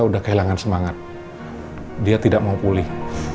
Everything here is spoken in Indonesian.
dia tidak mau pulih